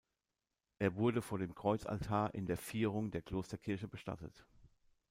Er wurde vor dem Kreuzaltar in der Vierung der Klosterkirche bestattet.